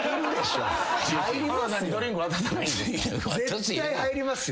絶対入りますよ。